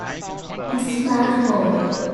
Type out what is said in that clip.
It's a large bowl.